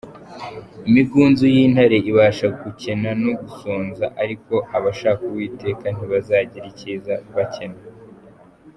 Imigunzu y’intare ibasha gukena no gusonza, Ariko abashaka Uwiteka ntibazagira icyiza bakena.